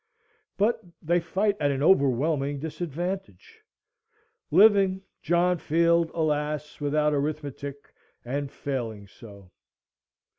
But they fight at an overwhelming disadvantage,—living, John Field, alas! without arithmetic, and failing so.